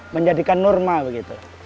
menjadikan normal begitu